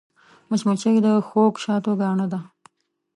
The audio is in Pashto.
مچمچۍ د خوږ شاتو ګاڼه ده